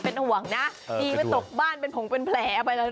เป็นห่วงนะอี๊มจะตกบ้านผมเป็นแผลไปแล้ว